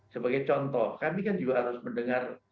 sebagai contoh kami kan juga harus mendengar